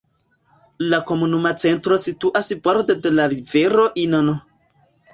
La komunuma centro situas borde de la rivero Inn.